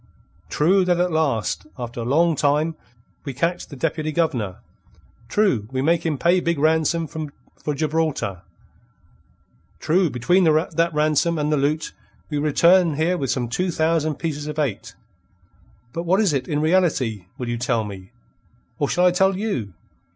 True that at last, after long time, we catch the Deputy Governor; true, we make him pay big ransom for Gibraltar; true between that ransom and the loot we return here with some two thousand pieces of eight. But what is it, in reality, will you tell me? Or shall I tell you?